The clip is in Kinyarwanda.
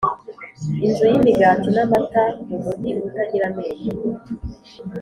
inzu yimigati namata mumujyi utagira amenyo.